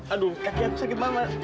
aduh kaki aku sakit banget